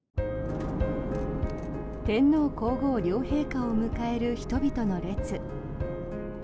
天皇・皇后両陛下を迎える人々の列。